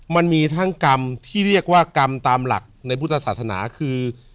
มันมีทั้งกรรมที่เรียกว่ากรรมตามหลักในพุทธศาสนาคือ